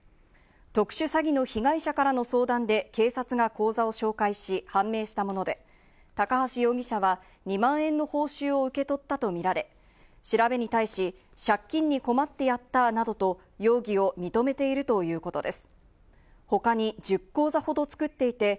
特殊詐欺の被害者からの相談で警察が口座を紹介し、判明したもので、高橋容疑者は２万円の報酬を受け取ったとみられ、調べに対し借金に困ってやったなどと容疑を認めているということです。